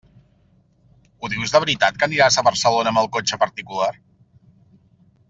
Ho dius de veritat que aniràs a Barcelona amb el cotxe particular?